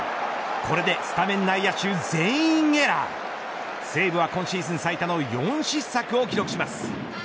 これでスタメン内野手全員エラー西武は今シーズン最多の４失策を喫します。